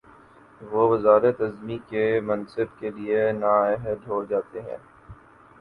وہ وزارت عظمی کے منصب کے لیے نااہل ہو جا تا ہے۔